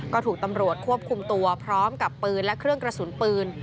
ก็ถูกตำรวจควบคุมตัวพร้อมกับปืนและเครื่องกระสุนปืน